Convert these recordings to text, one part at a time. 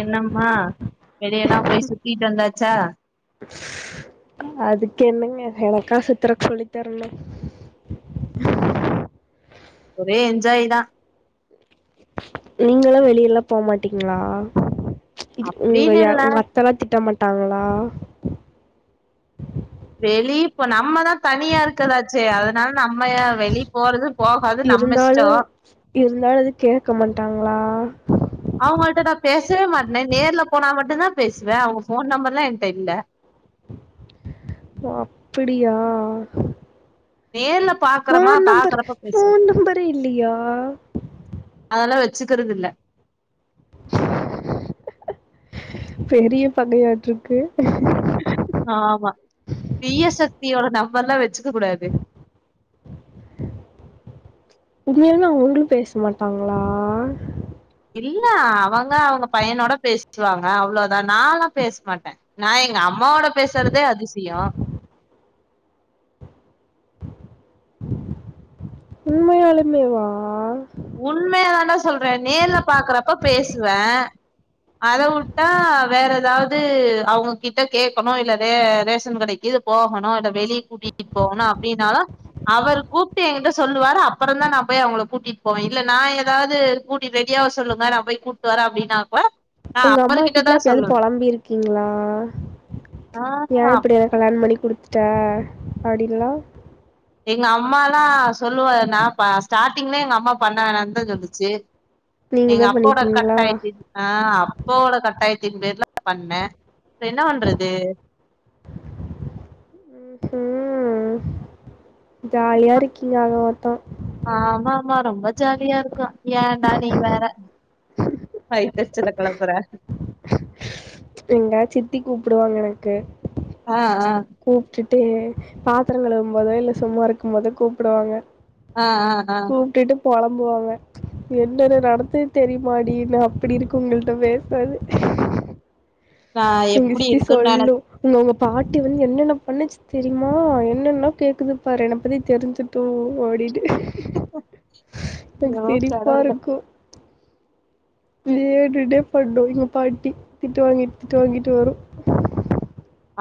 என்னம்மா வெளியெல்லா போய் சுத்திட்டு வந்தாச்சா அதுக்கென்னங்க எனக்கா சுத்துரக் சொல்லி தரணு ஒரே என்ஜாய் தா நீங்களு வெளியல்லா போமாட்டீங்ளா உங்க அப்டின்னு இல்ல உங்க அத் தலா திட்ட மாட்டாங்களா வெளியப்போ நம்மதா தனியா இருக்கதாச்சே அதனால நம்மய வெளி போறது போகா இருந்தாலு இருந்தாலு அது கேக்க மாட்டாங்களா அவங்கள்ட்ட நா பேசவே மாட்ன நேர்ல போனா மட்டுதா பேசுவ அவங்க ஃபோன் நம்பர்லா என்ட்ட இல்ல ஓ அப்பிடியா நேர்ல பாக்குறமா ஃபோன் நம்பர் பாக்குறப்ப பேசுவே ஃபோன் நம்பரே இல்லையா அதெல்லா வச்சுக்ரதுல்ல பெரிய பகையாட்ருக்கு ஆமா தீய சக்தியோட நம்பர்ல்லா வச்சுக்க கூடாது உண்மையாவே அவங்களு பேச மாட்டாங்களா இல்ல அவங்க அவங்க பையனோட பேசுக்கிவாங்க அவ்ளோதா நாலா பேச மாட்ட நா எங்க அம்மாவோட பேசுறதே அதிசயோ உண்மையாலுமே வா உண்மய தான்டா சொல்ற நேர்ல பாக்குறப்ப பேசுவ அத உட்டா வேற எதாது அவங்க கிட்ட கேக்கணு இல்லத ரேஷன் கடை இது போகணு இத வெளிய கூட்டிட்டு போணு அப்டின்னா தா அவரு கூப்ட்டு எங்கிட்ட சொல்லுவாரு அப்பறோ தா நா போய் அவங்கள கூட்டிட்டு போவ இல்ல நா ஏதாது கூட்டி ரெடியாவ சொல்லுங்க நா பேய் கூட்டு வர அப்டின்னாக்க உங்க அம்மா கிட்டலா எப்பயாது பொழம்பிருக்கீங்ளா ஆஹா ன் இப்டி கல்யாணோ பண்ணி குடுத்துட்ட அப்டின்லா எங்க அம்மாலா சொல்லுவா நா பா ஸ்டார்ட்டிங்ளே எங்க அம்மா பண்ண வேணா தா சொல்லிச்சு நீங்க எங்க தா அப்போட பண்ணிட்டீங்களா கட்டாயி [unintelligible] ஆ அப்பாவோட கட்டாயத்தின் பேர்ல பண்ணே இப்ப என்ன பண்றது ம்கு ஜாலியா இருக்கீங்க ஆக மொத்தோ ஆமாமா ரொம்ப ஜாலியா இருக்கோ ஏன்டா நீ வேற சல கெழப்பற எங்க சித்தி கூப்டுவாங்க எனக்கு ஆ ஆ கூப்ட்டுட்டு பாத்துரங் கழுவும்போதோ இல்ல சும்மா இருக்கு போதோ கூப்டுவாங்க ஆ ஆ ஆ கூப்ட்டுட்டு பொலம்புவாங்க என்னென்ன நடத்து தெரிமாடி நா அப்டி இருக்கு உங்கள்ட்ட பேஸ்னது நா உங்க எப்டி ஸ்தி இருக்குன்னு சொல்லு நெனச் இங்க உங்க பாட்டி வந்து என்னென்ன பண்ணுச்சு தெரிமா என்னென்ன கேக்குது பாரு என்ன பத்தி தெரிஞ்சு டு ஒடிட்டு எனக்கு ஐயோ சிரிப்பா கடவுளே இருக்கு வேனுனே பண்ணு எங்க பாட்டி திட்டு வாங்கிட்டு திட்டு வாங்கிட்டு வரு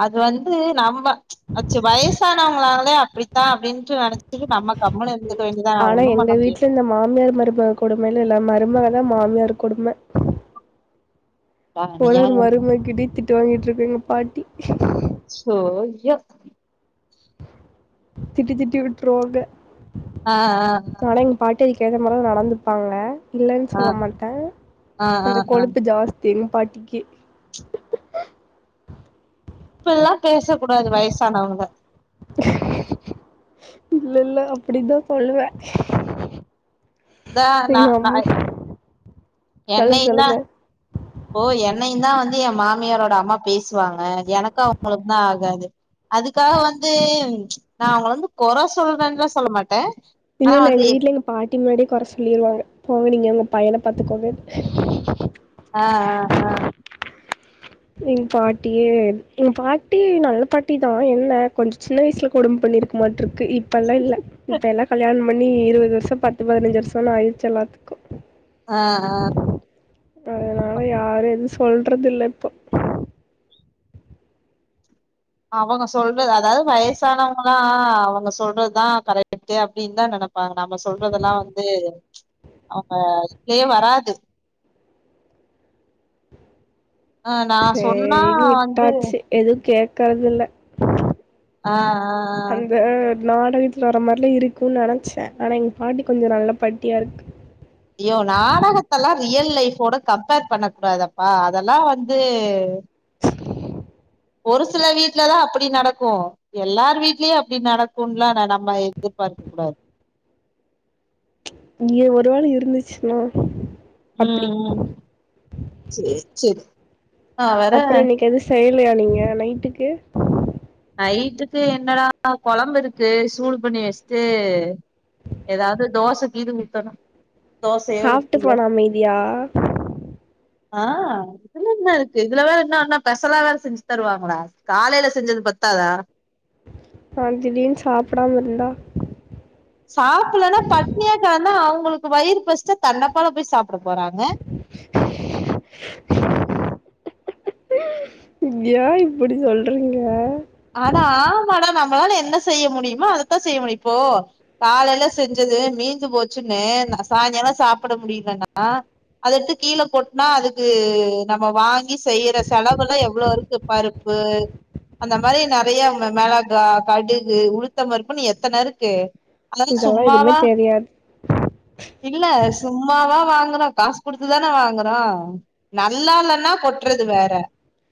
அது வந்து நம்ம அச்சு வயசானவுங்களாளே அப்டித்தா அப்டின்ட்டு நெனைச் சரி நம்ம கம்முனு இருந்துக்க வேண்டியதா ஆனா ஒண்ணு பண்ண எங்க முடியாது வீட்ல இந்த மாமியார் மருமக கொடுமைலா இல்ல மருமகதா மாமியார் கொடும ஒரு ஒரு அநியாயம் மருமக கிட்டயு திட்டு வாங்கிட்டு இருக்கு எங்க பாட்டி சோ ஐயோ திட்டி திட்டி உட்ருவாங்க ஆ ஆ ஆ ஆனா எங்க பாட்டி அதுக்கு ஏத்த மாரிதா நடந்துப்பாங்க இல்லன்னு ஆ சொல்ல மாட்ட ஆ ஆ கொஞ்சோ ஆ ஆ கொழுப்பு ஜாஸ்தி எங்க பாட்டிக்கு இப்பில்லா பேசக்கூடாது வயசானவுங்கள இல்ல இல்ல அப்டிதா சொல்லுவ தா நா எங்க நா அம்மா சொல்லுங்க என்னையுந்தா சொல்லுங்க இப்போ என்னையு தா வந்து எ மாமியாரோட அம்மா பேசுவாங்க எனக்கு அவுங்களுக்கு தா ஆகாது அதுக்காக வந்து நா அவுங்கற வந்து கொற சொல்றன்லா சொல்ல மாட்ட இல்ல இல்ல எங்க வீட்ல எங்க பாட்டி முன்னாடியே கொற சொல்லிருவாங்க போங்க நீங்க உங்க பையன பாத்துக்கோங்கன் ஆ ஆ ஆ எங்க பாட்டியே எங்க பாட்டி நல்ல பாட்டிதா என்ன கொஞ்சோ சின்ன வயசுல கொடும் பண்ணிருக் மாட்ருக்கு இப் இப்பெல்லா இல்ல இப்ப எல்லா கல்யாணம் பண்ணி இருவது வருஷோ பத்து பதினஞ்சு வருஷோன் ஆயிருச்சு எல்லாத்துக்கு ஆ ஆ அதனால யாரு எது சொல்றது இல்ல இப்போ அவங்க சொல்றது அதாவது வயசுனவங்களா அவுங்க சொல்றதுதா கரெக்ட்டு அப்டின்னு தா நெனப் பாங்க நம்ம சொல்றதெல்லா வந்து அவுங்க வே வராது ஆ நா சொன்னா சேரின்னு வந்து விட்டாச்சு எதுவு கேக் கறதுல்ல ஆ அந்த நாடகத்துல வர மாரிலா இருக்குன் நெனச்ச ஆனா எங்க பாட்டி கொஞ்சோ நல்ல பாட்டியா இருக்கு ஐயோ நாடகத்தெல்லா ரியல் லைஃபோட கம்பேர் பண்ண கூடாதப்பா அதெல்லா வந்து ஒரு சில வீட்லலா அப்டி நடக்கு எல்லாரு வீட்லயு அப்படி நடக்குன்லா ந நம்ம எதிர்பார்க்க கூடாது இங்க ஒரு வேள இருந்துச்சுன்னா அப்படி ம் ம் சேர் சேர் அப்பறோ இன்னைக்கு எது செய்யலையா நீங்க நைட்டுக்கு நைட்டுக்கு என்னடா கொழம்பு இருக்கு சூடு பண்ணி வச்சுட்டு ஏதாவது தோச கீது ஊத்தணு தோசையோ சாப்பிட்டு இட்லியோ போன அமைதியாக ஆ இதுல என்ன இருக்கு இதுல வேற என்ன ஒன்னு பெசலா வேற செஞ்சு தருவாங்களா காலையில செஞ்சது பத்தாதா ஆ திடீர்னு சாப்டாமா இருந்த சாப்பலன்னா பட்னியாக்காந்தா அவுங்களுக்கு வயிறு பஸ்ச்சா தன்னப்பால போய் சாப்ட போறாங்க யா இப்படி சொல்றீங்க ஆட ஆமாடா நம்மளால என்ன செய்ய முடியுமோ அதத்தா செய்ய முடியு இப்போ காலைல செஞ்சது மீஞ்சு போச்சுன்னு ந சாய்ங்காலோ சாப்பட முடியலன்னா அத எட்த்து கீழ கொட்னா அதுக்கு நம்ம வாங்கி செய்யற செலவுல்லா எவ்ளோ இருக்கு பருப்பு அந்த மாரி நெறையா ம ம மெளகா, கடுகு, உளுத்தம்பருப்புன்னு எத்தன இருக்கு அதெல்லா இதெல்லாம் எதுவுமே சும்மாவா தெரியாது இல்ல சும்மாவா வாங்குறோ காஸ் குடுத்துதான வாங்குறோ நல்லால்லன்னா கொட்றது வேற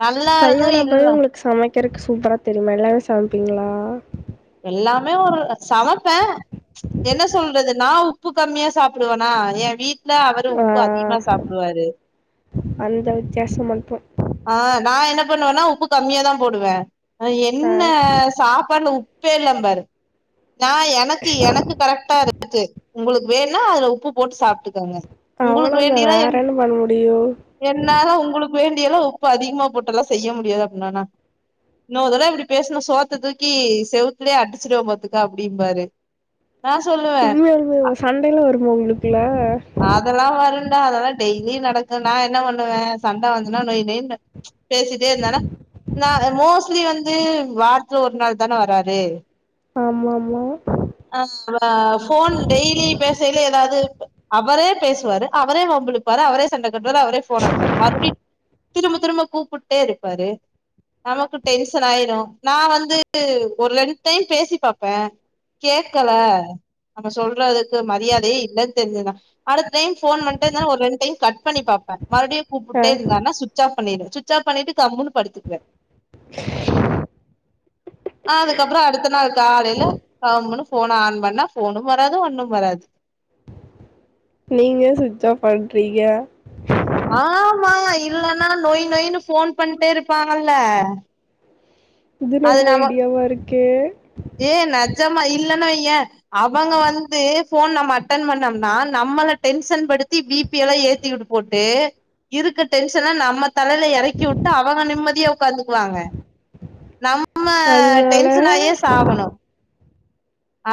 நல்லா இருந்து கல்யாணப்பவே இல்ல உங்களுக் சமைக்கறக் சூப்பரா தெரியுமா எல்லாமே சமைப்பீங்ளா எல்லாமே ஒரு அ சமப்பே என்ன சொல்றது நா உப்பு கம்மியா சாப்புடுவனா எ வீட் ல அவரு உப்பு அதிகமா சாப்டுவாரு அந்த வித்யாசோ மட்டு ஆ நா என்ன பண்ணுவன்னா உப்பு கம்மியாதா போடுவே அ ஆ என்ன சாப்பாட்ல உப்பே இல்லம்பாரு நா எனக்கு எனக்கு கரெக்ட்டா இருக்கு உங்களுக் வேணா அதுல உப்பு போட்டு சாப்ட்டுக்கங்க உங்களுக்கு அவளோ தா வேண்டியெல்லா என் வேறென்ன பண்ண முடியு என்னால உங்களுக் வேண்டியல்லா உப்பு அதிகமா போட்டெல்லா செய்ய முடியாது அப்பிட்னானா இன்னோரு தடவ இப்டி பேஸ்ன சோத்த தூக்கி செவுத்துலயே அடிச்சுருவ பாத்துக்க அப்டிம்பாரு நா சொல்லுவ உண்மையால்மே சண்டைல்லா வருமா உங்ளுக்குல்ல அதெல்லா வருண்டா அதெல்லா டெய்லி நடக்கு நா என்ன பண்ணுவே சண்ட வந்ச்சுன்னா நொய் நொய்னு பேசிட்டே இருந்தானா நா அ மோஸ்ட்லி வந்து வார்த்துல ஒரு நாள் தான வராரு ஆமா ஆமா ஆ [inaudible] வ ஃபோன் டெய்லி பேசலைல எதாவ்து அவரே பேசுவாரு அவரே வம்பிழுப்பாரு அவரே சண்ட கட்டுவாரு அவரே ஃபோன வெப்பாரு மறுப்டி திரும்ப திரும்ப கூப்புட்டே இருப்பாரு நமக்கு டென்ஷன் ஆய்ரு நா வந்து ஒரு ரெண் டைம் பேசி பாப்பே கேக்கல நம்ம சொல்றதுக்கு மரியாதையே இல்லன் தெரிஞ்சிதுனா அடுத்த டைம் ஃபோன் பண்ட்டே இர்ந்தார்னா ஒரு ரெண் டைம் கட் பண்ணி பாப்பே மறுப்டியு ஆ கூப்புட்டே இர்ந்தார்னா சுட்ச் ஆப் பண்ணீடுவே சுட்ச ஆப் பண்ணீட்டு கம்முன்னு படுத்துக்குவே ஆ அதுக்கப்றோ அடுத்த நாள் காலைல கம்முனு ஃபோன் ஆன் பண்ணா ஃபோனு வராது ஒன்னும் வராது நீங்க ஏ சுட்ச் ஆஃப் பண்றீங்க ஆமா இல்லனா நொய் நொய்னு ஃபோன் பண்ட்டே இருப்பாங்கல்ல இது அது நல்ல நம்ம ஐடியாவா இருக்கே ஏ நெஜமா இல்லன்னு வையே அவங்க வந்து ஃபோன் நம்ம அட்டன் பண்ணம்னா நம்மள டென்ஷன் படுத்தி பீ பி எல்லா ஏத்திவுட்டு போட்டு இருக்க டென்ஷன நம்ம தலைல எறக்கிவுட்டு அவங்க நிம்மதியா உக்காந்துக்வாங்க நம்ம அதனால டென்ஷனாயே சாவணு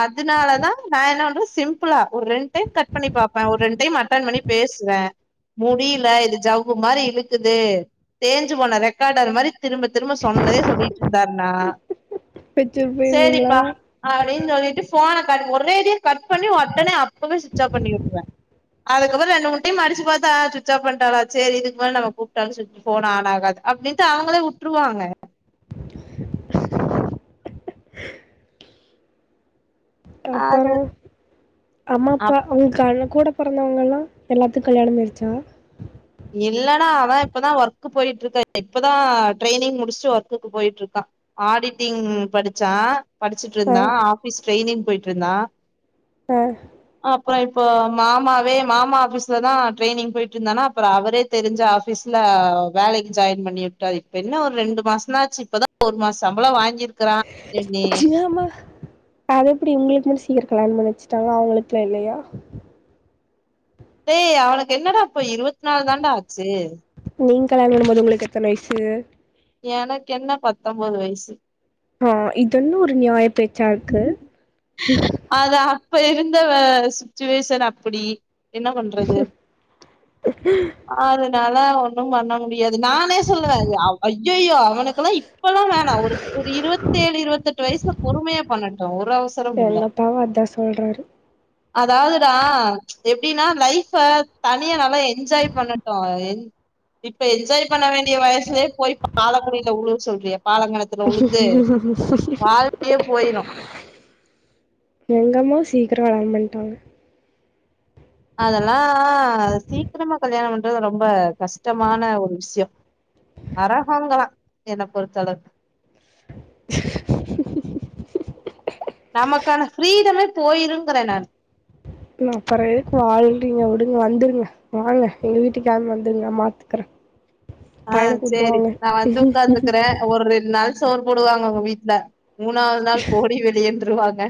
அதுனால தா நா என்ன பண்றது சிம்ப்பிளா ஒரு ரெண் டைம் கட் பண்ணி பாப்பே ஒரு ரெண் டைம் அட்டன் பண்ணி பேசுவே முடியில இது ஜவ்வு மாரி இழுக்குது தேஞ்சு போன ரெக்காடர் மாரி திரும்ப திரும்ப சொன்னதே சொல்லிட் இருந்தார்னா வச்சுட்டு போயிடுவீங்களா சரிப்பா அப்டின்னு சொல்லிட்டு போன கட் ஒரேடியா கட் பண்ணி ஒடனே அப்பவே சுவிட்ச் ஆப் பண்ணி விட்ருவேன் அதுக்கப்றம் ரெண்டு மூணு டைம் அடிச்சு பார்த்தா ஸ்விட்ச் ஆஃப் பண்ணிட்டலா சரி இதுக்கப்றம் நம்ம கூப்ட்டாலும் சொல போன ஆன் ஆகாது அப்டின்ட்டு அவங்களே உட்டுருவாங்க அது அப்பறம் அம்மா அப்பா அப் அவங்கண்ண கூட பிறந்தவங்கலாம் எல்லாத்துக்கும் கல்யாணம் ஆயிடுச்சா இல்லடா அதான் இப்பதா ஒர்க்கு போயிட்டு இருக்க இப்பதா ட்ரைனிங் முடிச்சு ஒர்க்குக்கு போயிட்டு இருக்கா ஆடிட்டிங் படிச்சான் படிச்சுட்டு ஆ இருந்தான் ஆபிஸ் ட்ரையனிங் போயிட்டு இருந்தா ஆ அப்றம் இப்போ மாமாவே மாமா ஆபீஸ்ல தா ட்ரைனிங் போயிட்டுருந்தானா அப்றம் அவரே தெரிஞ்சு ஆபீஸ்ல வேலைக்கு ஜாயின் பண்ணி விட்டார் இப்ப என்ன ஒரு ரெண்டு மாசம் ஆச்சு இப்பதா ஒரு மாச சம்பளம் வாங்கிர்க்கரான் அது எப்டி உங்களுக்கு மட்டு சீக்கிரம் கல்யாண பண்ணிச்சுட்டாங்க அவங்களுக்கல்லா இல்லயா டேய் அவனுக்கு என்னடா இப்ப இருபத்தி நாலு தாண்டா ஆச்சு நீங்க கல்யாணம் பண்ணும்போது உங்களுக்கு எத்தன வயசு எனக்கு என்ன பத்தொன்பது வயசு ஆ இது என்ன ஒரு நியாய பேச்சாருக்கு அது அப்ப இருந்த சுச்சுவேஷன் அப்டி என்ன பண்றது அதனால ஒண்ணும் பண்ண முடி யாது நானே சொல்லுவேன் ஐயோ அவனுக்குல்லாம் இப்பல்லாம் வேணா ஒரு இருபத்த ஏழு இருபத்த எட்டு வயசுல பொறுமயா பண்ணட்டும் ஒரு அவசம் எங்க அப்பாவும் அதா சொல்றாரு அதாவதுடா எப்டின்னா லைஃப்ப தனியா நல்லா என்ஜாய் பண்ணட்டு இப்ப என்ஜாய் பண்ண வேண்டிய வயசுலயே போய் பாலங்குடில உள்ள சொல்றியா பாலங்க போயிரு எங்கம்மாவு சீக்கிரம் கல்யாண பண்ணிட்டாங்க அதல்லாம் சீக்கிரமா கல்யாணம் பண்றது ரொம்ப கஷ்டமான ஒரு விஷயம் அரகாங்காம் என்ன பொறுத்தளவுக்கு நமக்கான ஃப்ரீடமே போயிருங்கறேன் நா அ அப்ற எதுக்கு வாழ்றீங்க விடுங்க வந்துருங்க வாங்க எங்க வீட்டுக்கு களம்பி வந்துருங்க பாத்துக்கறேன் ஆ சரி நா வந்து ஒக்காந்துக்கறேன் ஒரு ரெண்டு நாள் சோறு போடுவாங்க உங்க வீட்ல மூணாவது நாள் போடி வெளியேனுருவாங்க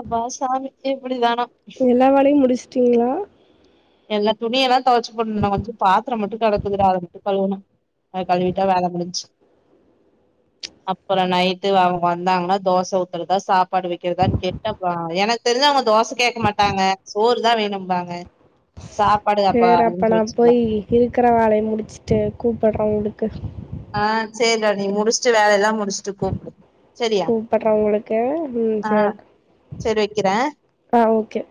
அப்பா சாமி எப்டி தானா எல்லா வேலயும் முடிச்டிங்களா எல்லா துணியல்லாம் துவச்சு போடணு கொஞ்ச பாத்தரம் மட்டு கடக்குதுடா அத மட்டு கழுவுனு அத கழுவிட்டா வேல முடின்ச்சு அப்றம் நைட்டு அவங்க வந்தாங்கன்னா தோச ஊத்துறதா சாப்பாடு வக்கறதான்னு கே கப்பா எனக்கு தெரிஞ்சு அவங்க தோச கேக்க மாட்டாங்க சோறு தா வேணும்பாங்க சாப்ப சரி அப்ப நா போய் இருக்கற வேலய முடிச்சுட்டு கூப்பறேன் உங்களுக்கு ஆ சேரிடா நீ முடிச்சுட்டு வேலையலா முடிச்சுட்டு கூப்டு சரியா கூப்பட்றே உங்களுக்கு ம் ஆ சேரிகா சரி வைக்கிறே ஆ ஓகே